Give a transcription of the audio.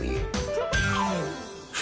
フフ。